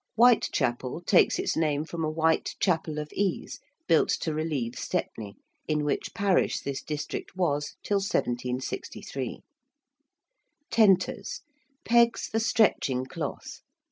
~Whitechapel~ takes its name from a white chapel of ease built to relieve Stepney, in which parish this district was till 1763. ~tenters~: pegs for stretching cloth.